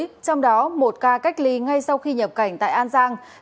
trong đó một ca cách ly ngay sau khi nhập cảnh tại an giang